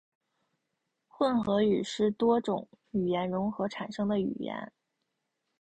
混合语是指多种语言融合产生的语言。